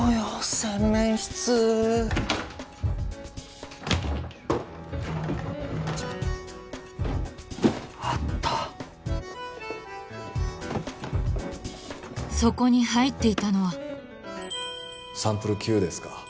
洗面室あったそこに入っていたのはサンプル Ｑ ですか